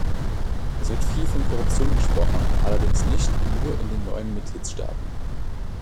Es wird viel von Korruption gesprochen, allerdings nicht nur in den neuen Mitgliedstaaten.